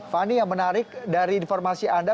fani yang menarik dari informasi anda